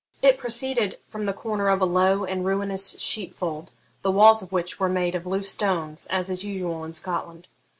It proceeded from the corner of a low and ruinous sheep fold, the walls of which were made of loose stones, as is usual in Scotland.